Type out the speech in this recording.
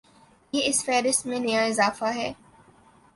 یہ اس فہرست میں نیا اضافہ ہے۔